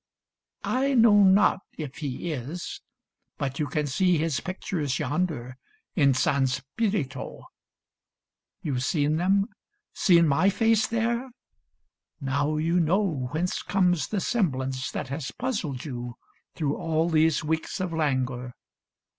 I know not if he is — but you can see His pictures yonder in San Spirito. You've seen them ? seen my face there ? now you know Whence comes the semblance that has puzzled you Through all these weeks of languor